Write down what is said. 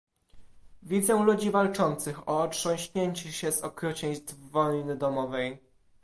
Widzę ludzi walczących o otrząśnięcie się z okrucieństw wojny domowej